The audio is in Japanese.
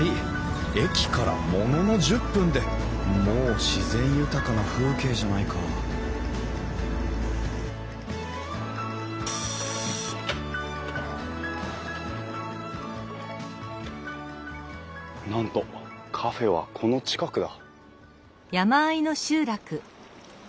駅からものの１０分でもう自然豊かな風景じゃないかなんとカフェはこの近くだ。